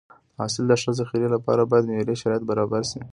د حاصل د ښه ذخیرې لپاره باید معیاري شرایط برابر شي.